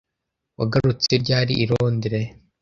Wagarutse ryari i Londres